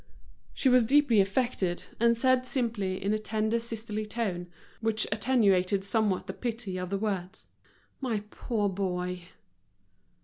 She was deeply affected, and said simply, in a tender, sisterly tone, which attenuated somewhat the pity of the words: "My poor boy!"